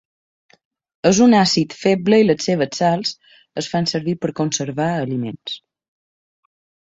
És un àcid feble i les seves sals es fan servir per conservar aliments.